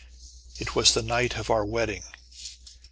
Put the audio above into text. It was the night of our wedding.